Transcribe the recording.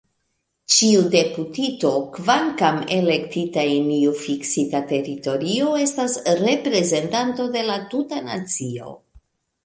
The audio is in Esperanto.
Ĉiu deputito, kvankam elektita en iu fiksita teritorio, estas reprezentanto de la tuta nacio.